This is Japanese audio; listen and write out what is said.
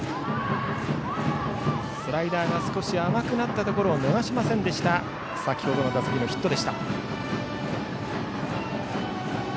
スライダーが少し甘くなったところを逃さなかった先ほどの打席のヒット。